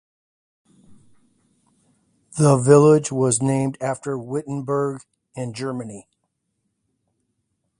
The village was named after Wittenberg, in Germany.